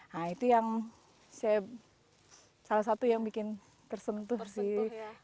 nah itu yang saya salah satu yang bikin tersentuh sih